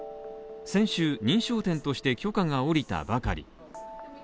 先週、認証店として許可が下りたばかり。